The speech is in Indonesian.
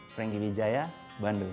franky wijaya bandung